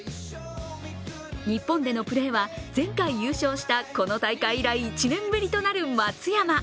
日本でのプレーは前回優勝したこの大会以来１年ぶりとなる松山。